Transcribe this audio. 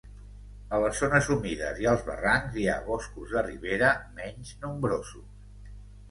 A les zones humides i als barrancs hi ha boscos de ribera, menys nombrosos.